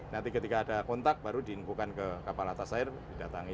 nanti ketika ada kontak baru diinkukan ke kapal atas air didatangi